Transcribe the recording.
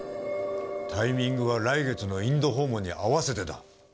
タイミングは来月のインド訪問に合わせてだ。